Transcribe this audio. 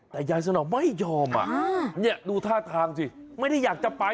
แต่ยายสะหนอไม่ยอมอ่ะเนี่ยดูท่าทางสิไม่ได้อยากจะไป